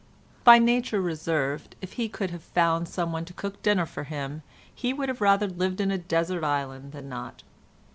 By nature reserved, if he could have found someone to cook his dinner for him, he would rather have lived in a desert island than not.